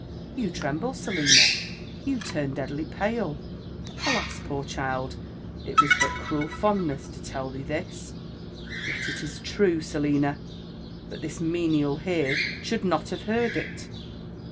You tremble, Selina — you turn deadly pale I — ^Alas ! poor child ! it was but cruel fondness to tell thee this ; yet it is true, Selina : but this menial here should not have heard it.